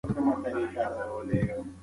ده د جګړې ناوړه پايلې پېژندلې.